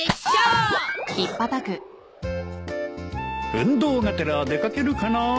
運動がてら出掛けるかなあ。